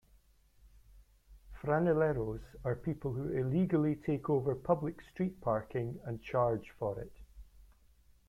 Franeleros are people who illegally take over public street parking and charge for it.